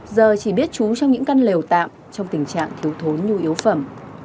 giờ chỉ biết trú trong những căn lều tạm trong tình trạng thiếu thốn như yếu phẩm